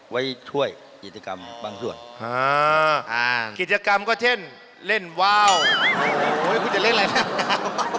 ไว้ช่วยกิจกรรมบางส่วนกิจกรรมก็เช่นเล่นวาวคุณจะเล่นอะไรครับ